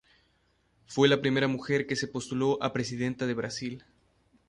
Fue la primera mujer que se postuló a presidenta de Brasil.